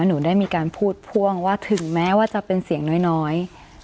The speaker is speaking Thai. หนูได้มีการพูดพ่วงว่าถึงแม้ว่าจะเป็นเสียงน้อย